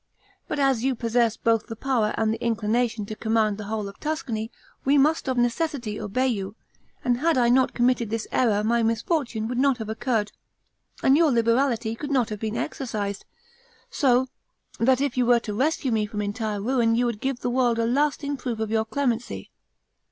But as you possess both the power and the inclination to command the whole of Tuscany, we must of necessity obey you; and had I not committed this error, my misfortune would not have occurred, and your liberality could not have been exercised; so, that if you were to rescue me from entire ruin, you would give the world a lasting proof of your clemency.